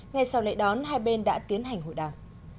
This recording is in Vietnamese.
ngay sau lễ đón hai bên đã tiến hành hội đàm